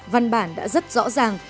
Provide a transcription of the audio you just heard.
văn bản đã rất rõ ràng